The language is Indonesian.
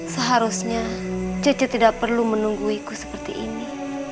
seharusnya cece tidak perlu menungguiku seperti ini